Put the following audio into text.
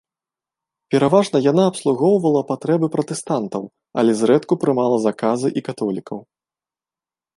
Пераважна яна абслугоўвала патрэбы пратэстантаў, але зрэдку прымала заказы і католікаў.